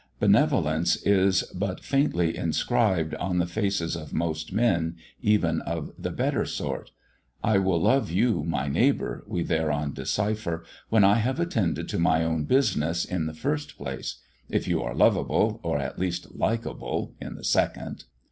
Benevolence is but faintly inscribed, on the faces of most men, even of the better sort. "I will love you, my neighbour," we thereon decipher, "when I have attended to my own business, in the first place; if you are lovable, or at least likeable, in the second."